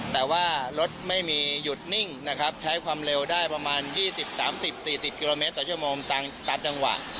แต่ว่ารถไม่มีหยุดนิ่งนะครับใช้ความเร็วได้ประมาณ๒๐๓๐๔๐กิโลเมตรต่อชั่วโมงตามจังหวะ